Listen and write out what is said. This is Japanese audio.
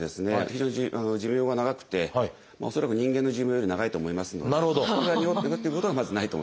非常に寿命が長くて恐らく人間の寿命より長いと思いますのでそれがにごっていくっていうことはまずないと思います。